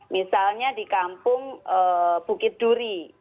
misalnya di kampung bukit duri